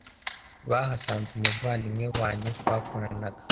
“Bahasanze umuvandimwe wanjye twakoranaga